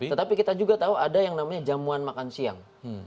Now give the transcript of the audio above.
tetapi kita juga tahu ada yang namanya jamuan makan siang